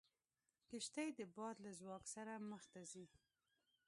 کښتۍ د باد له ځواک سره مخ ته ځي.